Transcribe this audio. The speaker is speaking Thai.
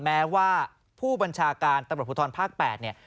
แม้ว่าผู้บัญชาการตำรวจผู้ทรภัณฑ์ภาค๘